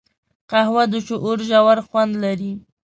قهوه د شعور ژور خوند لري